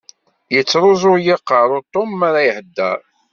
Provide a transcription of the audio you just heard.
Yettruẓ-iyi aqerru Tom mara ihedder.